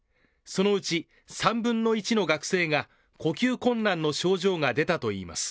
そのうち３分の１の学生が、呼吸困難の症状が出たといいます。